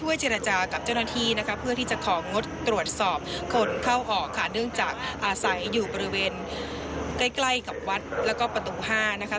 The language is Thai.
อยู่บริเวณใกล้กับวัดและก็ประตู๕นะคะ